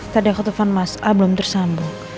tadi aku telepon mas a belum tersambung